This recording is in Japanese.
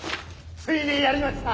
ついにやりました！